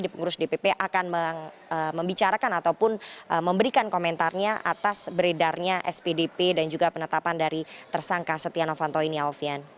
pengurus dpp akan membicarakan ataupun memberikan komentarnya atas beredarnya spdp dan juga penetapan dari tersangka setia novanto ini alfian